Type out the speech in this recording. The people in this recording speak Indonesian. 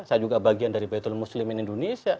saya juga bagian dari baitul muslimin indonesia